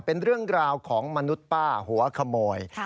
เป็นเรื่องราวของมนุษย์ป้าหัวขโมย